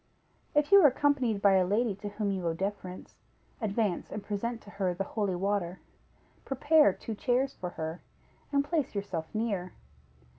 If you are accompanied by a lady to whom you owe deference, advance and present to her the holy water; prepare two chairs for her, and place yourself near.